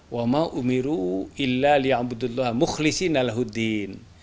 wa ma'u umiru illa li'abudullah mukhlisi nalahu din